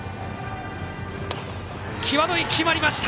際どい、決まりました！